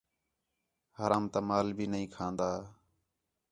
حرام تا مال بھی نہی کھان٘دا